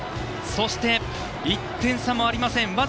そして、１点差もありません。